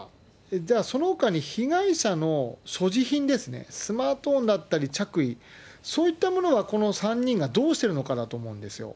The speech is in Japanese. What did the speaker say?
じゃあ、そのほかに被害者の所持品ですね、スマートフォンだったリ着衣、そういったものがこの３人がどうしてるのかだと思うんですよ。